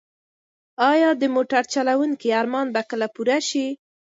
ایا د موټر چلونکي ارمان به کله پوره شي؟